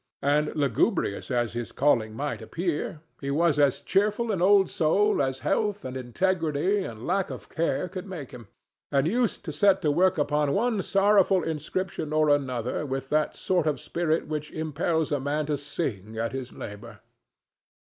And, lugubrious as his calling might appear, he was as cheerful an old soul as health and integrity and lack of care could make him, and used to set to work upon one sorrowful inscription or another with that sort of spirit which impels a man to sing at his labor.